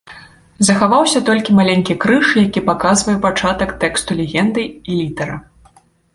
Захаваўся толькі маленькі крыж, які паказвае пачатак тэксту легенды, і літара.